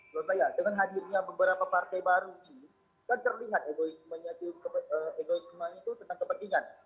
menurut saya dengan hadirnya beberapa partai baru ini kan terlihat egoisme itu tentang kepentingan